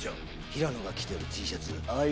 平野が着てるＴシャツああ